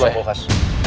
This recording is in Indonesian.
gak usah fokus